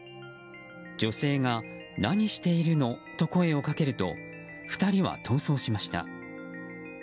女性が何しているの？と声をかけると２人は逃走しました。